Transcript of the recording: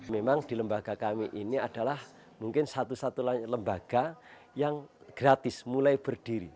memang di lembaga kami ini adalah mungkin satu satu lembaga yang gratis mulai berdiri